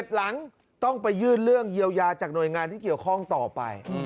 หลังต้องไปยื่นเรื่องเยียวยาจากหน่วยงานที่เกี่ยวข้องต่อไป